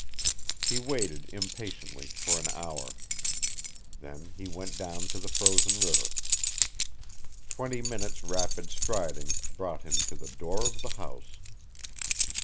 He waited impatiently for an hour. Then he went down to the frozen river. Twenty minutes' rapid striding brought him to the door of the house.